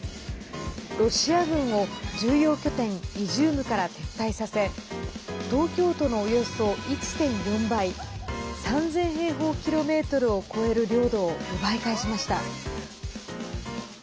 ロシア軍を重要拠点イジュームから撤退させ東京都のおよそ１．４倍３０００平方キロメートルを超える領土を奪い返しました。